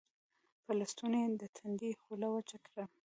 پۀ لستوڼي يې د تندي خوله وچه کړه